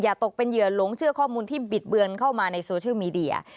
ตกเป็นเหยื่อหลงเชื่อข้อมูลที่บิดเบือนเข้ามาในโซเชียลมีเดีย